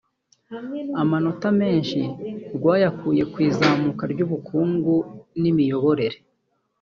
Amanota menshi rwayakuye ku izamuka ry’ ubukungu n’ imiyoborere